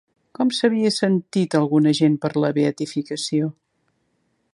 Com s'havia sentit alguna gent per la beatificació?